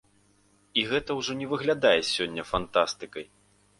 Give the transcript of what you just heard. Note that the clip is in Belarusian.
І гэта ўжо не выглядае сёння фантастыкай.